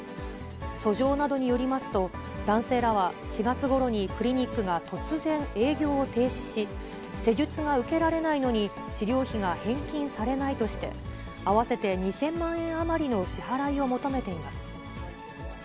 訴状などによりますと、男性らは４月ごろにクリニックが突然営業を停止し、施術が受けられないのに、治療費が返金されないとして、合わせて２０００万円余りの支払いを求めています。